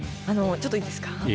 ちょっといいですか？